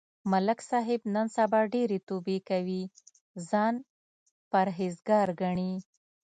ملک صاحب نن سبا ډېرې توبې کوي، ځان پرهېز گار گڼي.